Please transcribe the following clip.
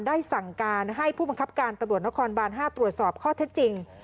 ได้สั่งการให้ผู้บังคับการตำรวจนครบาน๕ตรวจสอบข้อเท็จจริง